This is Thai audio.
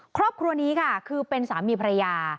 ครอบครัวนี้ค่ะคือเป็นสามีภรรยา